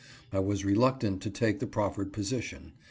I was reluctant to take the proffered position.